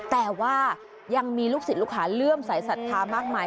แต่ว่ายังมีลูกศิษย์ลูกหาเลื่อมสายศรัทธามากมาย